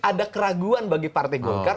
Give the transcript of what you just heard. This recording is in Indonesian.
ada keraguan bagi partai golkar